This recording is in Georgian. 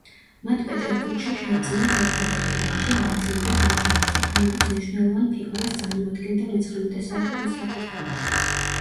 მათ პეტერბურგში შეეძინათ ერთადერთი ვაჟი ალექსანდრე ჭავჭავაძე, რომელიც მნიშვნელოვან ფიგურას წარმოადგენდა მეცხრამეტე საუკუნის საქართველოში.